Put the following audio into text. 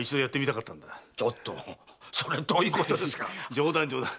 冗談冗談。